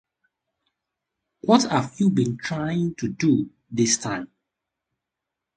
What have you been trying to do this time?